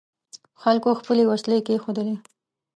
خلکو خپلې وسلې کېښودلې.